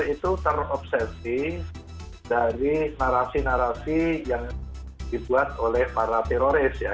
itu terobsesi dari narasi narasi yang dibuat oleh para teroris ya